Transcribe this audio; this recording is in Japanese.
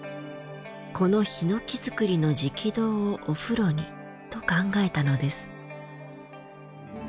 この檜造りの食堂をお風呂にと考えたのです。